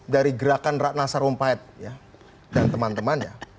dari gerakan ratna sarumpait dan teman temannya